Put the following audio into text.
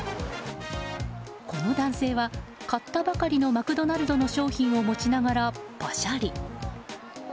この男性は買ったばかりのマクドナルドの商品を持ちながらパシャリ。